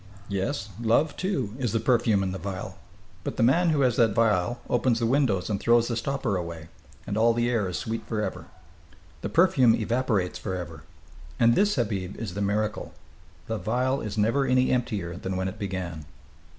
"Yes, love, too, is the perfume in the vial. But the man who has that vial opens the windows and throws the stopper away, and all the air is sweet forever. The perfume evaporates, forever. And this, Habib, is the miracle. The vial is never any emptier than when it began."